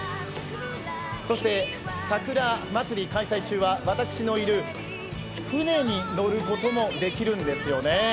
そして桜まつり中は私のいる船に乗ることもできるんですよね。